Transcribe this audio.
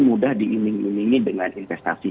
mudah diimbing imbingi dengan investasi